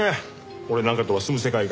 俺なんかとは住む世界が。